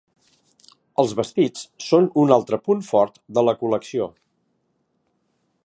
Els vestits són un altre punt fort de la col·lecció.